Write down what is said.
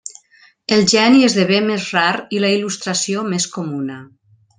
El geni esdevé més rar i la il·lustració més comuna.